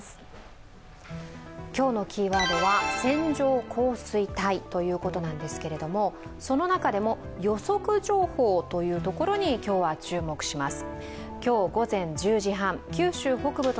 今日のキーワードは線状降水帯ということなんですけれども、その中でも予測情報というところに今日は注目します。